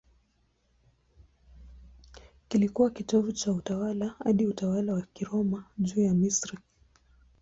Kilikuwa kitovu cha utawala hadi utawala wa Kiroma juu ya Misri.